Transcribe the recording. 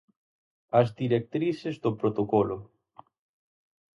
As directrices do protocolo.